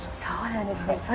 そうなんですね